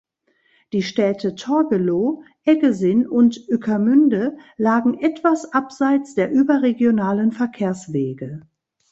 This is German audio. Die Städte Torgelow, Eggesin und Ueckermünde lagen etwas abseits der überregionalen Verkehrswege.